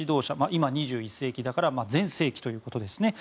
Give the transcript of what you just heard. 今、２１世紀だから前世紀ということですね。